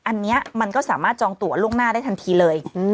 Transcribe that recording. อันนี้มันก็สามารถจองตัวล่วงหน้าได้ทันทีเลย